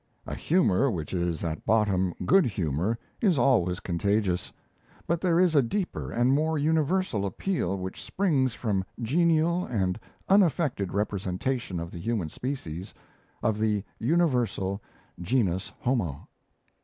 A humour which is at bottom good humour is always contagious; but there is a deeper and more universal appeal which springs from genial and unaffected representation of the human species, of the universal 'Genus Homo'.